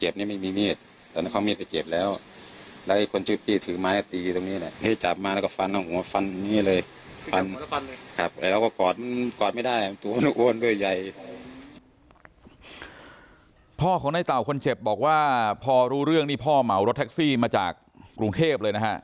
พ่อในเต่าคนเจ็บบอกว่าพอรู้เรื่องนี่พ่อเหมารถแท็กซี่มาจากกรุงเทพเลยนะฮะ